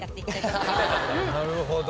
なるほど。